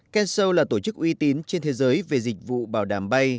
kensow là tổ chức uy tín trên thế giới về dịch vụ bảo đảm bay